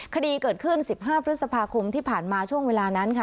คดีเกิดขึ้น๑๕พฤษภาคมที่ผ่านมาช่วงเวลานั้นค่ะ